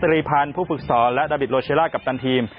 โดยสลาวุธตรีพันธุ์ผู้ปรึกษอและดาวิทโลเชลล่ากัปตันทีม